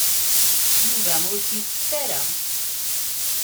Yuba ur t-isett ara.